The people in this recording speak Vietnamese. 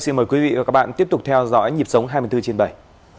xin mời quý vị và các bạn tiếp tục theo dõi nhịp sống hai mươi bốn chiến bày